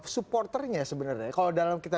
supporternya sebenarnya kalau dalam kita